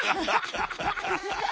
ハハハハハ。